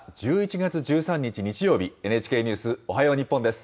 １１月１３日日曜日、ＮＨＫニュースおはよう日本です。